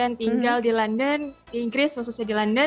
yang tinggal di london inggris khususnya di london